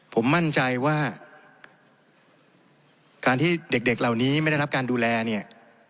ผมมั่นใจว่าการที่เด็กเหล่านี้ไม่ได้รับการดูแลเนี่ย